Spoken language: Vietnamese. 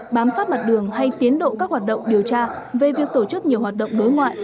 bám sát mặt đường hay tiến độ các hoạt động điều tra về việc tổ chức nhiều hoạt động đối ngoại